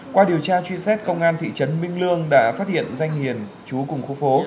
qua điều tra truy xét công an thị trấn minh lương đã phát hiện danh hiền chú cùng khu phố